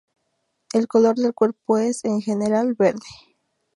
El color del cuerpo es, en general, verde.